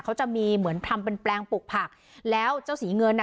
เขาจะมีเหมือนทำเป็นแปลงปลูกผักแล้วเจ้าสีเงินอ่ะ